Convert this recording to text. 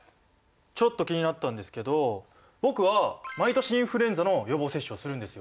ちょっと気になったんですけど僕は毎年インフルエンザの予防接種をするんですよ。